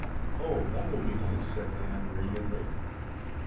"Oh, that will be nice," said Ann radiantly.